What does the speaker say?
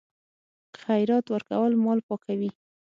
خیرات ورکول مال پاکوي.